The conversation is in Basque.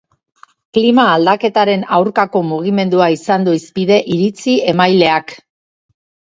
Klima-aldaketaren aurkako mugimendua izan du hizpide iritzi-emaileak.